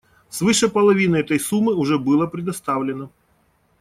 Свыше половины этой суммы уже было предоставлено.